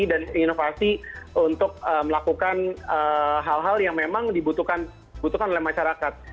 dan inovasi untuk melakukan hal hal yang memang dibutuhkan oleh masyarakat